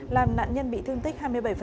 làm nạn nhân bị thương tích hai mươi bảy